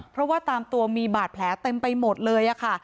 เพราะว่าตามตัวมีบาดแผลเต็มไปหมดเลยค่ะ